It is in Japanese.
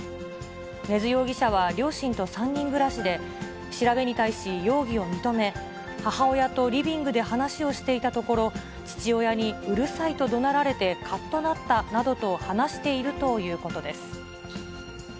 根津容疑者は両親と３人暮らしで、調べに対し容疑を認め、母親とリビングで話をしていたところ、父親にうるさいとどなられてかっとなったなどと話しているということです。